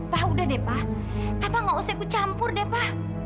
pak udah deh pak pak enggak usah aku campur deh pak